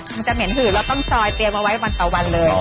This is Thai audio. มันจะเหม็นหืดเราต้องซอยเตรียมเอาไว้วันต่อวันเลย